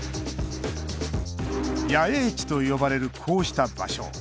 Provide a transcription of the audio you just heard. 野営地と呼ばれる、こうした場所。